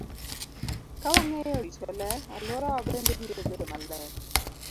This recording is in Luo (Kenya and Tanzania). Ka wang'eyo rito ler, alworawa bende biro bedo maler.